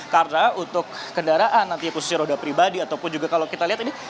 karena untuk kendaraan nanti khususnya roda pribadi ataupun juga kalau kita lihat ini